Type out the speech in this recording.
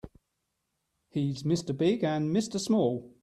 He's Mr. Big and Mr. Small.